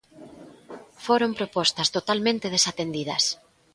Foron propostas totalmente desatendidas.